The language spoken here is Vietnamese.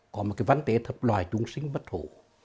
có một cái văn tế thật loài trung sinh bất thủ